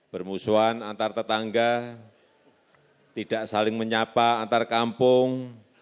bermusuhan antar tetangga tidak saling menyapa antar kampung